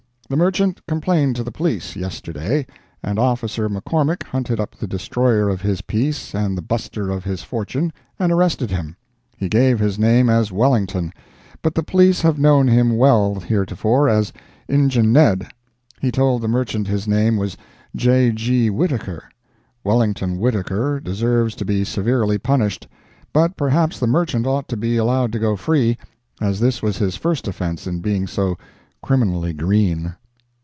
The merchant complained to the Police, yesterday, and officer McCormick hunted up the destroyer of his peace and the buster of his fortune, and arrested him. He gave his name as Wellington, but the Police have known him well heretofore as "Injun Ned;" he told the merchant his name was J. G. Whittaker. Wellington Whittaker deserves to be severely punished, but perhaps the merchant ought to be allowed to go free, as this was his first offence in being so criminally green.